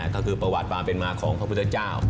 ก็คือประวัติความเป็นมาของพระพุทธเจ้า